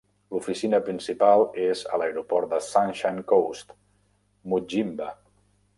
L'oficina principal és a l'aeroport de Sunshine Coast, Mudjimba.